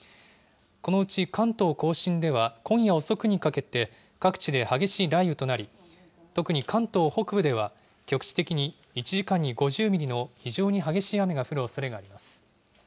このうち関東甲信では、今夜遅くにかけて、各地で激しい雷雨となり、特に関東北部では、局地的に１時間に５０ミリの非常に激しい雨が降るおそれがあります。